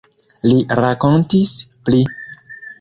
Li rakontis pli.